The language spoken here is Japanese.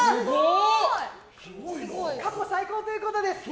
過去最高ということです。